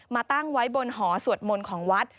ตั้งไว้บนหอสวดมนต์ของวัด